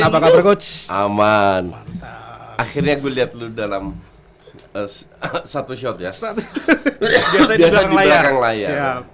apakah berkoc aman akhirnya gua lihat lu dalam satu shot ya setelah di belakang layar